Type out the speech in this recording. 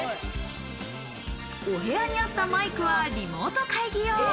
お部屋に合ったマイクはリモート会議用。